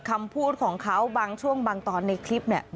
คำพูดของเขาบางช่วงบางตอนในคลิปเนี่ย